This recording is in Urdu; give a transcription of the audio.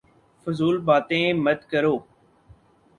فضول باتیں مت کرو